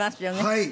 はい。